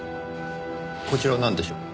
こちらはなんでしょう？